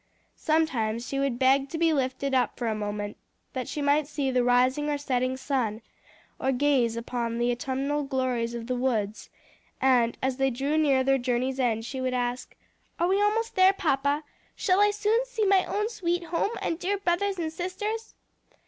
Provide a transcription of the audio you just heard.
Sometimes she would beg to be lifted up for a moment that she might see the rising or setting sun, or gaze upon the autumnal glories of the woods, and as they drew near their journey's end she would ask, "Are we almost there, papa? shall I soon see my own sweet home, and dear brothers and sisters?"